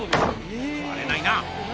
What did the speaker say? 割れないな。